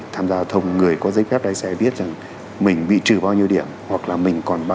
tham gia thông người có giấy phép lái xe viết rằng mình bị trừ bao nhiêu điểm hoặc là mình còn bao